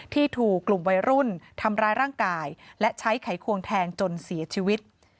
ที่ถูกกลุ่มวัยรุ่นทำร้ายร่างกายและใช้ไขควงแทงจนเสียชีวิต